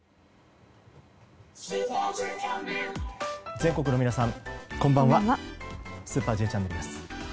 全国の皆さん、こんばんは「スーパーＪチャンネル」です。